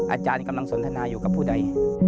อาจารย์กำลังสนทนาอยู่กับผู้ใด